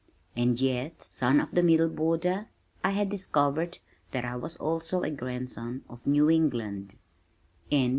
And yet, Son of the Middle Border I had discovered that I was also a Grandson of New England.